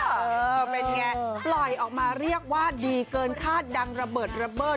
เออเป็นไงปล่อยออกมาเรียกว่าดีเกินคาดดังระเบิดระเบิด